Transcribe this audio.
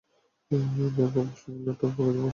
Bank of শিমলার টগবগে যুবক ভাইস- প্রেসিডেন্ট।